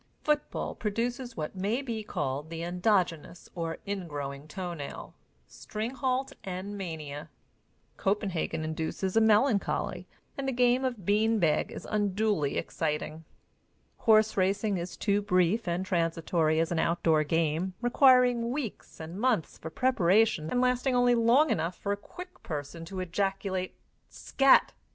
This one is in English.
Foot ball produces what may be called the endogenous or ingrowing toenail, stringhalt and mania. Copenhagen induces a melancholy, and the game of bean bag is unduly exciting. Horse racing is too brief and transitory as an outdoor game, requiring weeks and months for preparation and lasting only long enough for a quick person to ejaculate "Scat!"